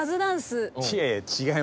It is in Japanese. いやいや違います。